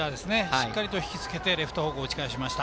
しっかりと引き付けてレフト方向に打ち返しました。